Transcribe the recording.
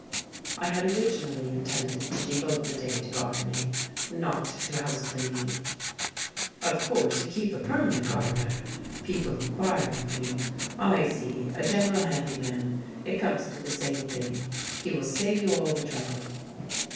I had originally intended to devote the day to gardening, not to house cleaning. "Of course you keep a permanent gardener?" people inquire of me. "I see; a general handy man; it comes to the same thing; he will save you all trouble."